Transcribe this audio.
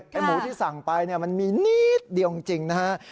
หมูที่สั่งไปมันมีนิดเดียวจริงนะฮะ